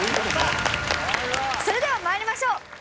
それでは参りましょう。